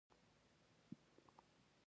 هلته د سترګو غړول او یو بل ته کتل نه وو.